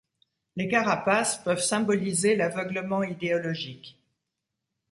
Les carapaces peuvent symboliser l'aveuglement idéologique.